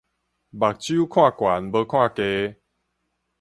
目睭看懸無看低